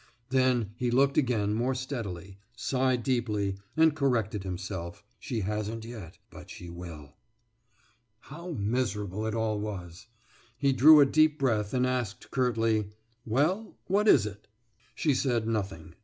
« Then he looked again more steadily, sighed deeply, and corrected himself: »She hasn't yet, but she will.« How miserable it all was! He drew a deep breath and asked curtly: »Well, what is it?« She said nothing.